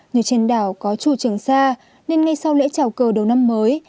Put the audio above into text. người trên đảo có chùa trường sa nên ngay sau lễ chào cầu đầu năm mới